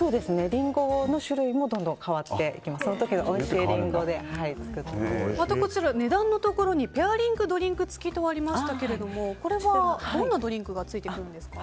リンゴの種類もどんどん変わってその時のおいしいリンゴでまた、値段のところにペアリングドリンク付きとありましたがどんなドリンクがついてるんですか？